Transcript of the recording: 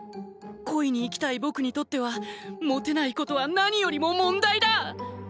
恋に生きたい僕にとってはモテないことは何よりも問題だ！